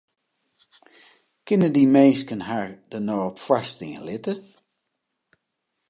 Kinne dy minsken har dêr no op foarstean litte?